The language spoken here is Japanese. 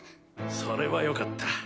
それはよかった。